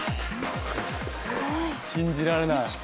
信じられない。